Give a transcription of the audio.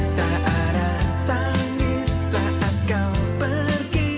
tidak ada kusangka tak ada tangis saat kau pergi